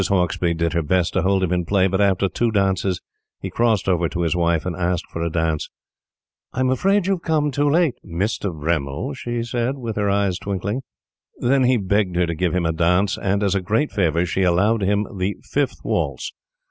Hauksbee did her best to hold him in play, but, after two dances, he crossed over to his wife and asked for a dance. "I'm afraid you've come too late, MISTER Bremmil," she said, with her eyes twinkling. Then he begged her to give him a dance, and, as a great favor, she allowed him the fifth waltz.